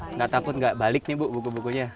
enggak takut enggak balik nih bu buku bukunya